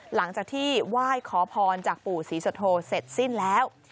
หลังจากที่ไหว้ขอพรจากปู่ศรีสุโธเสร็จสิ้นแล้ว